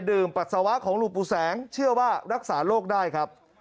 ปัสสาวะของหลวงปู่แสงเชื่อว่ารักษาโรคได้ครับ